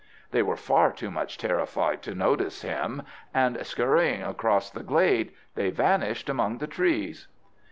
They were far too much terrified to notice him, and, scurrying across the glade, they vanished among the trees.